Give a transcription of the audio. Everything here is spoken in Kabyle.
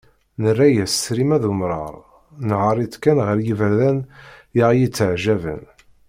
Nerra-as ṣrima d umrar, nnehher-itt kan ɣer yiberdan i aɣ-yetteɛjaben.